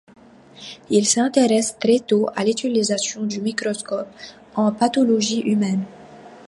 Il s'intéresse très tôt à l'utilisation du microscope en pathologie humaine.